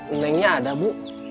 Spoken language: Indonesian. unengnya ada bu